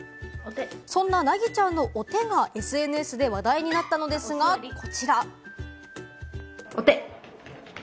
そんな凪ちゃんのお手がＳＮＳで話題になったのですが、こちら。